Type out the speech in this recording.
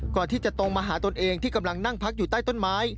ก่อนที่จะตรงมาหาตนเองที่กำลังนั่งพักอยู่ใต้ต้นไม้